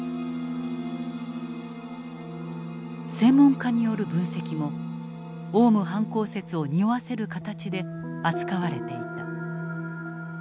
専門家による分析もオウム犯行説をにおわせる形で扱われていた。